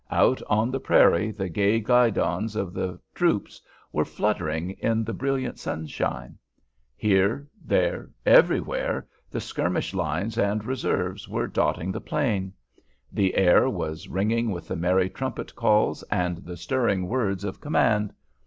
Out on the prairie the gay guidons of the troops were fluttering in the brilliant sunshine; here, there, everywhere, the skirmish lines and reserves were dotting the plain; the air was ringing with the merry trumpet calls and the stirring words of command.